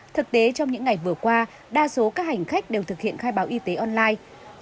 thực tế trong những ngày vừa qua đa số các hành khách đều thực hiện khai báo y tế online